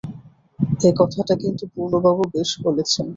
এ কথাটা কিন্তু পূর্ণবাবু বেশ বলেছেন।